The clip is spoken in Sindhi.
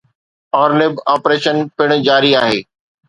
Ornib آپريشن پڻ جاري آهي.